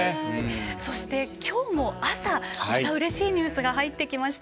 そして今日も朝またうれしいニュースが入ってきました。